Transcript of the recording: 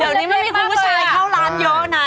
เดี๋ยวนี้มันมีคุณผู้ชายเข้าร้านเยอะนะ